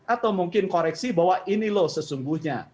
atau mungkin koreksi bahwa ini loh sesungguhnya